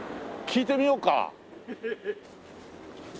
聞いてみようか。